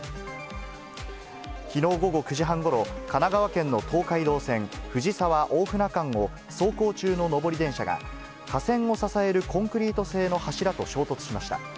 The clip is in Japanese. きのう午後９時半ごろ、神奈川県の東海道線、藤沢・大船間を走行中の上り電車が架線を支えるコンクリート製の柱と衝突しました。